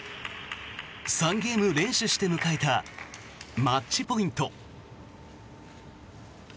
３ゲーム連取して迎えたマッチポイント。